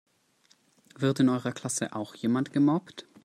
Wird in eurer Klasse auch jemand gemobbt?